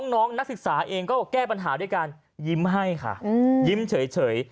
น้องนักศึกษาเองก็แก้ปัญหาด้วยการยิ้มให้ค่ะยิ้มเฉย